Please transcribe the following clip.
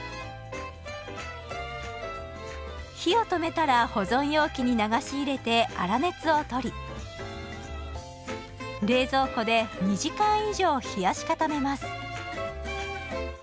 火を止めたら保存容器に流し入れて粗熱を取り冷蔵庫で２時間以上冷やし固めます。